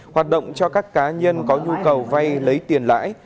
hoạt động cho các cá nhân có nhu cầu vay lấy tiền lãi